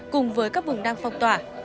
cùng với các vùng đang phong tỏa